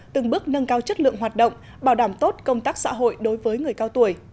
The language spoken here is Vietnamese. từng bước nâng cao chất lượng hoạt động bảo đảm tốt công tác xã hội đối với người cao tuổi